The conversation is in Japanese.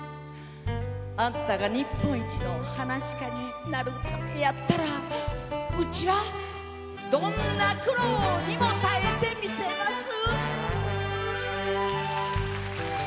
あんたが日本一の落語家になるためやったらうちはどんな苦労にも耐えてみせます。